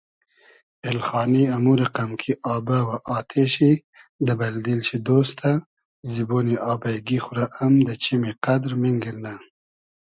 اېلخانی امو رئقئم کی آبۂ و آتې شی دۂ بئل دیل شی دۉستۂ زیبۉنی آبݷ گی خو رۂ ام دۂ چیمی قئدر مینگیرنۂ